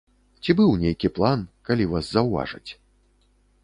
Ці быў нейкі план, калі вас заўважаць?